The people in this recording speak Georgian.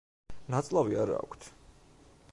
ნაწლავი არა აქვთ.